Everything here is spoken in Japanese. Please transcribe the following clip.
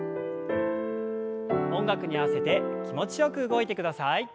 音楽に合わせて気持ちよく動いてください。